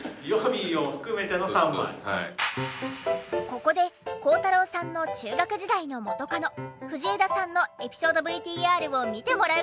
ここで孝太郎さんの中学時代の元カノ藤枝さんのエピソードＶＴＲを見てもらう事に。